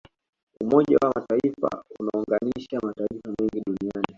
umoja wa mataifa unaounganisha mataifa mengi duniani